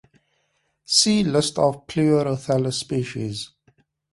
See List of Pleurothallis species.